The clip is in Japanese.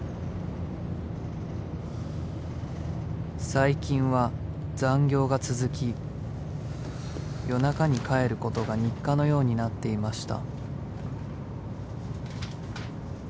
［最近は残業が続き夜中に帰ることが日課のようになっていました］